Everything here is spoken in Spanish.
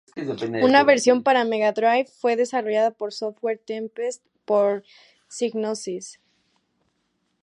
Una versión para Mega Drive fue desarrollada por Software Tempest por Psygnosis.